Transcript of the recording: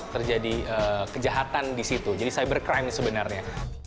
terjadi kejahatan di situ jadi cybercrime sebenarnya